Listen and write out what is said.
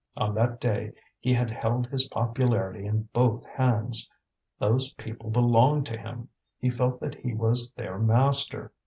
On that day he had held his popularity in both hands. Those people belonged to him; he felt that he was their master.